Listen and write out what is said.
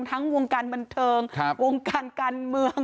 ทั้งวงการบันเทิงวงการการเมือง